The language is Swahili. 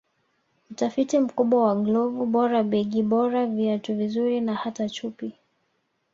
Utafiti mkubwa wa glovu bora begi bora viatu vizuri na hata chupi